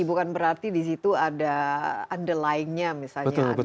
bukan berarti di situ ada underlyingnya misalnya